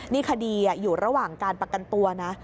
นี่คดีอยู่ระหว่างการประกันตัวนะ